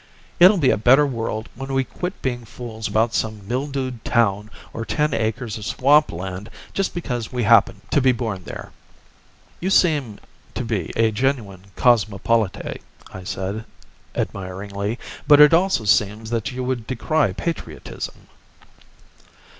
It'll be a better world when we quit being fools about some mildewed town or ten acres of swampland just because we happened to be born there." "You seem to be a genuine cosmopolite," I said admiringly. "But it also seems that you would decry patriotism."